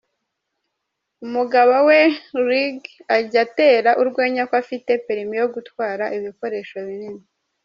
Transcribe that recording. Umugabo we Reggie ajya atera urwenya ko afite perimi yo gutwari ibikoresho binini.